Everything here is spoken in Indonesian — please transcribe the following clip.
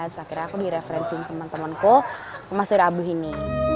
terus akhirnya aku direferensiin temen temenku ke mas surya abduh ini